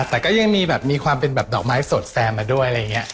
แต่ก็ยังมีแบบมีความเป็นแบบดอกไม้สดแซมมาด้วยอะไรอย่างนี้